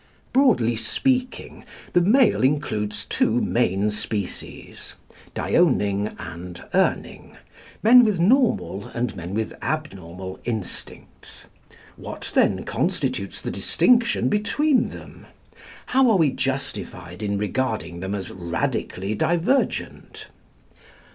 Broadly speaking, the male includes two main species: Dioning and Urning, men with normal and men with abnormal instincts. What, then, constitutes the distinction between them? How are we justified in regarding them as radically divergent?